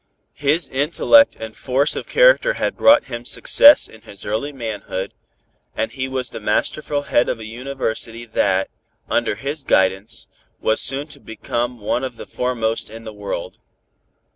His intellect and force of character had brought him success in his early manhood, and he was the masterful head of a university that, under his guidance, was soon to become one of the foremost in the world.